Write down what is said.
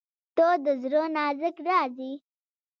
• ته د زړه نازک راز یې.